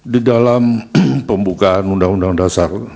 di dalam pembukaan undang undang dasar seribu sembilan ratus empat puluh lima